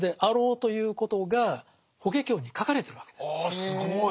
あすごい。